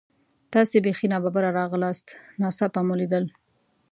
تاسې بیخي نا ببره راغلاست، ناڅاپه مو لیدل.